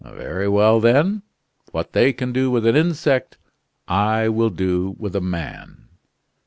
Very well, then. What they can do with an insect, I will do with a man!"